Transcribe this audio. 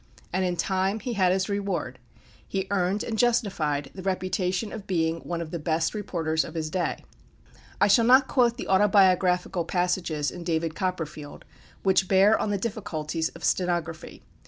And in time he had his reward. He earned and justified the reputation of being one of the best reporters of his day. I shall not quote the autobiographical passages in "David Copperfield" which bear on the difficulties of stenography.